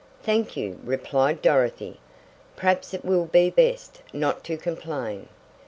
"Thank you," replied Dorothy. "Perhaps it will be best not to complain."